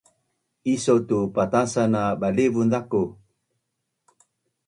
Iso tu patasan na balivun ku